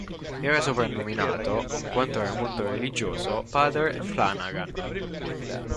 Era soprannominato, in quanto era molto religioso, "Padre Flanagan".